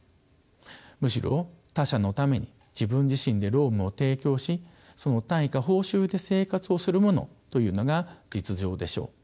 むしろ他者のために自分自身で労務を提供しその対価・報酬で生活をする者というのが実情でしょう。